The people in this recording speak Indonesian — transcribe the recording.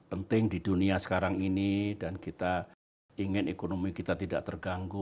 penting di dunia sekarang ini dan kita ingin ekonomi kita tidak terganggu